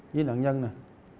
với nạn nhân này